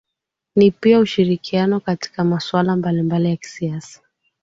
ni pia ushirikiano katika maswala mbalimbali ya kisiasa